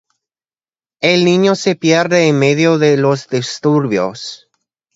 El niño se pierde en medio de los disturbios.